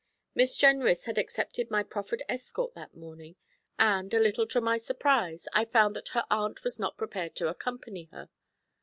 Miss Jenrys had accepted my proffered escort that morning, and, a little to my surprise, I found that her aunt was not prepared to accompany her.